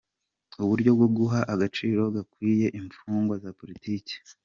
Uburyo bwo guha agaciro gakwiye imfungwa za politiki